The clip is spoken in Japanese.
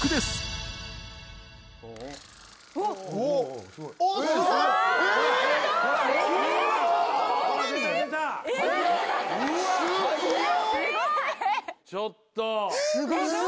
すごい。